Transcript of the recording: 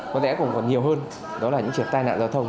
có lẽ cũng còn nhiều hơn đó là những trường hợp tai nạn giao thông